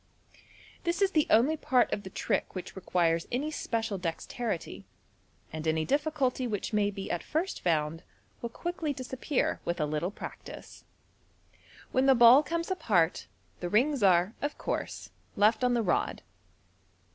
This is the only part of the trick which requires any special dexterity, and any difficulty which may be at first found will quickly disappear with a little practice. MODERN MAGIC. *# When the ball comes apart, the rings are, of course, left on the rod.